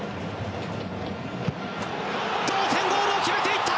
同点ゴールを決めていった！